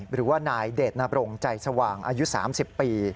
หรือว่านายเดชนบรงใจสว่างอายุ๓๐ปี